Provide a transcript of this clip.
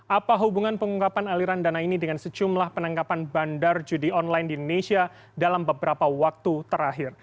apa hubungan pengungkapan aliran dana ini dengan sejumlah penangkapan bandar judi online di indonesia dalam beberapa waktu terakhir